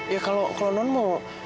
ya kalau non mau